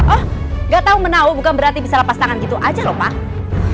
oh nggak tahu menau bukan berarti bisa lepas tangan gitu aja lho pak